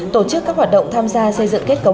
tổ chức các hoạt động tham gia xây dựng kết cấu